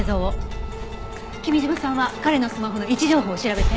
君嶋さんは彼のスマホの位置情報を調べて。